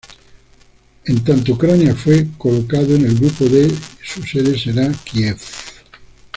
En tanto Ucrania fue colocado en el Grupo D y su sede será Kiev.